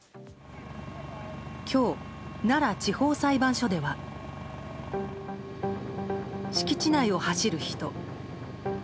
今日、奈良地方裁判所では敷地内を走る人。